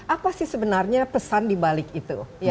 apa sih sebenarnya pesan di balik itu